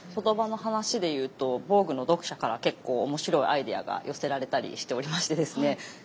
言葉の話でいうと「ＶＯＧＵＥ」の読者から結構面白いアイデアが寄せられたりしておりましてですね